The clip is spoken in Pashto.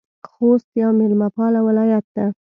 خوست یو میلمه پاله ولایت ده